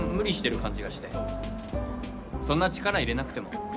そんな力いれなくても。